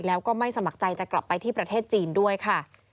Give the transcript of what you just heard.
แล้วก็ไม่สมัครใจจะกลับไปที่ประเทศจีนด้วยค่ะ